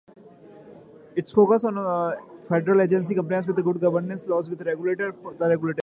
It focuses on federal agency compliance with "good government" laws which regulate the regulators.